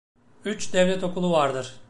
Üç devlet okulu vardır.